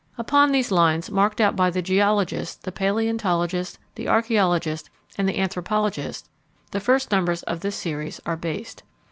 Upon these lines, marked out by the geologist, the paleontologist, the archæologist, and the anthropologist, the first numbers of this series are based.